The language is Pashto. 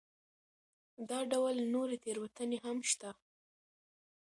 دا ډول نورې تېروتنې هم شته.